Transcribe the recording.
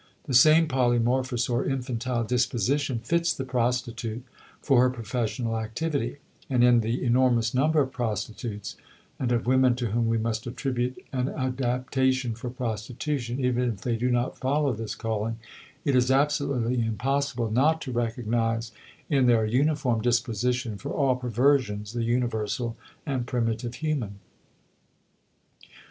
The same polymorphous or infantile disposition fits the prostitute for her professional activity, and in the enormous number of prostitutes and of women to whom we must attribute an adaptation for prostitution, even if they do not follow this calling, it is absolutely impossible not to recognize in their uniform disposition for all perversions the universal and primitive human.